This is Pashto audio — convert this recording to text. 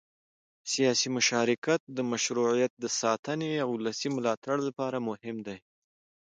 سیاسي مشارکت د مشروعیت د ساتنې او ولسي ملاتړ لپاره مهم دی